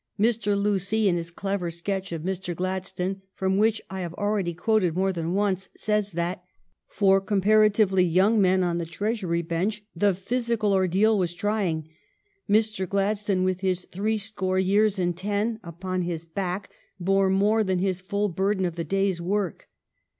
Mr. Lucy, in his clever sketch of Mr. Gladstone, from which I have already quoted more than once, says that for comparatively young men on the Treasury Bench the physical ordeal was trying. Mr. Gladstone, with his threescore years and ten upon his back, bore more than his full burden of the day's work.